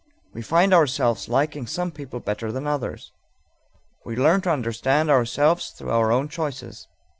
We find ourselves liking some people better than others. We learn to understand ourselves through our own choices.